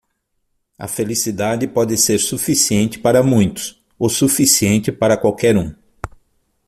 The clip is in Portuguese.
A felicidade pode ser suficiente para muitos, o suficiente para qualquer um.